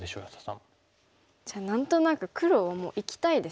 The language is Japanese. じゃあ何となく黒はもう生きたいですよね。